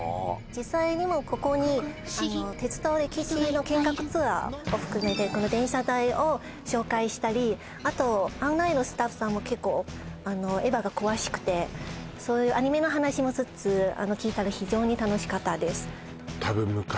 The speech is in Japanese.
実際にもここに鉄道歴史の見学ツアーを含めてこの転車台を紹介したりあと案内のスタッフさんも結構「エヴァ」が詳しくてそういうアニメの話も聞いたら非常に楽しかったです